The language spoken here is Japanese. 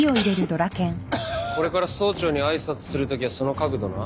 これから総長に挨拶するときはその角度な。